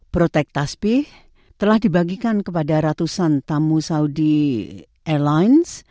protek tasbih telah dibagikan kepada ratusan tamu saudi airlines